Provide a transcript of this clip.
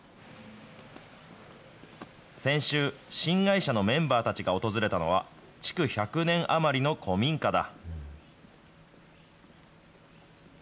先週、新会社のメンバーたちが訪れたのは、築１００年余りの古民家だ。